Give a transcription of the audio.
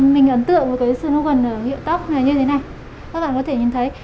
mình ấn tượng một cái sưu nông quần hiệu tóc này như thế này các bạn có thể nhìn thấy